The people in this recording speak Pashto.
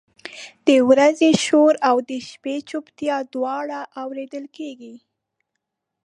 د ورځې شور او د شپې چپتیا دواړه اورېدل کېږي.